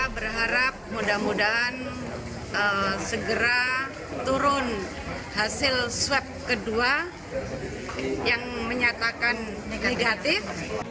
berharap mudah mudahan segera turun hasil swab kedua yang menyatakan negatif